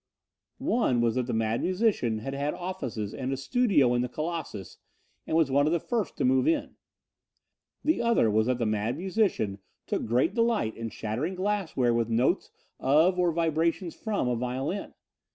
One was that the Mad Musician had had offices and a studio in the Colossus and was one of the first to move in. The other was that the Mad Musician took great delight in shattering glassware with notes of or vibrations from a violin.